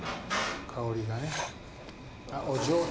香りがね。